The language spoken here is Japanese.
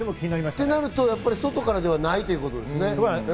となると、外からではないということですね。